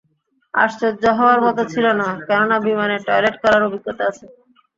আশ্চর্য হওয়ার মতো ছিল না, কেননা বিমানে টয়লেট করার অভিজ্ঞতা আছে।